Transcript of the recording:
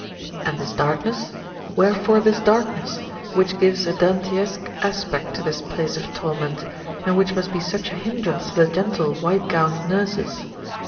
And this darkness: wherefore this darkness, which gives a Dantesque aspect to this place of torment, and which must be such a hindrance to the gentle, white gowned nurses?